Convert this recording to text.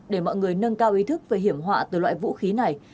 để mọi người nâng cao ý thức về hiểm họa từ loại vũ khí này